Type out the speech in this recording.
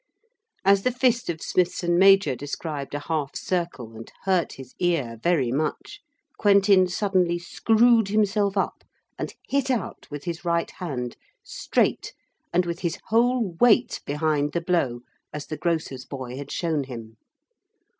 As the fist of Smithson major described a half circle and hurt his ear very much, Quentin suddenly screwed himself up and hit out with his right hand, straight, and with his whole weight behind the blow as the grocer's boy had shown him.